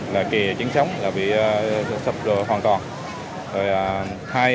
là kề trên sống là bị sập hoàn toàn